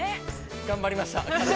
◆頑張りました。